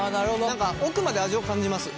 何か奥まで味を感じます。